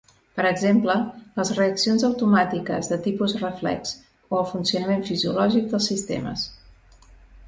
Per exemple, les reaccions automàtiques de tipus reflex o el funcionament fisiològic dels sistemes.